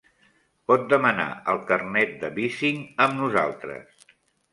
Pot demanar el carnet de bicing amb nosaltres.